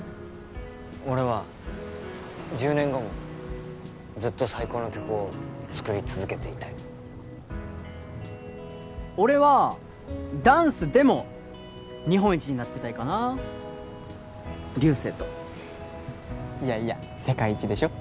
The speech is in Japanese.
俺は１０年後もずっと最高の曲を作り続けていたい俺はダンスでも日本一になってたいかな竜星といやいや世界一でしょ？